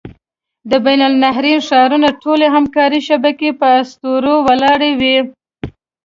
د بین النهرین ښارونو ټولې همکارۍ شبکې په اسطورو ولاړې وې.